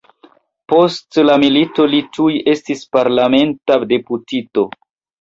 Post la milito li tuj estis parlamenta deputito.